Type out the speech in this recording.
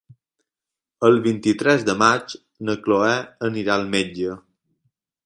El vint-i-tres de maig na Cloè anirà al metge.